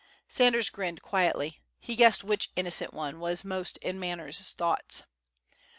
Sanders grinned quietly. He guessed which innocent one was most in Manners' thoughts!